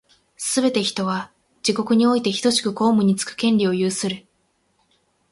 すべて人は、自国においてひとしく公務につく権利を有する。